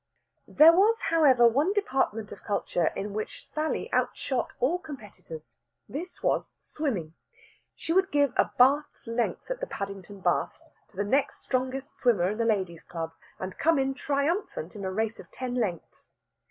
There was, however, one department of culture in which Sally outshot all competitors. This was swimming. She would give a bath's length at the Paddington Baths to the next strongest swimmer in the Ladies' Club, and come in triumphant in a race of ten lengths.